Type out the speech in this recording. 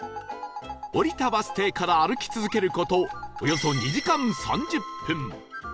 降りたバス停から歩き続ける事およそ２時間３０分